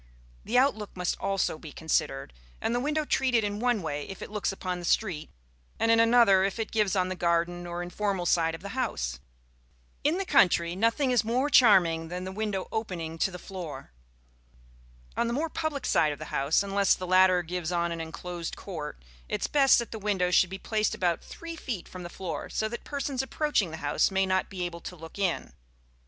The outlook must also be considered, and the window treated in one way if it looks upon the street, and in another if it gives on the garden or informal side of the house. In the country nothing is more charming than the French window opening to the floor. On the more public side of the house, unless the latter gives on an enclosed court, it is best that the windows should be placed about three feet from the floor, so that persons approaching the house may not be able to look in.